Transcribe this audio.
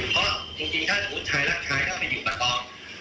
เพราะจริงถ้าฝูงชายหลักขายไปยืนปลาทอง